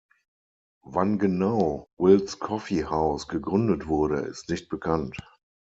Wann genau Will’s Coffee-house gegründet wurde, ist nicht bekannt.